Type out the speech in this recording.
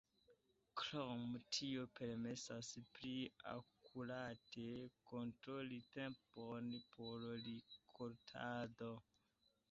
Krome tio permesas pli akurate kontroli tempon por rikoltado.